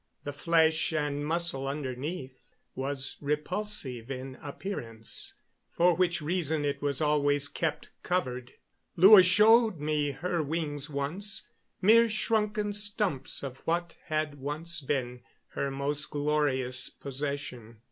The flesh and muscle underneath was repulsive in appearance for which reason it was always kept covered. Lua showed me her wings once mere shrunken stumps of what had once been her most glorious possession.